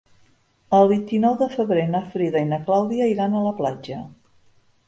El vint-i-nou de febrer na Frida i na Clàudia iran a la platja.